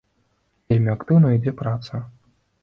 Вельмі актыўна ідзе праца.